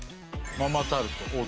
ママタルト大鶴